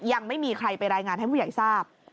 ยังไม่มีใครไปรายงานให้ผู้ใหญ่ทราบ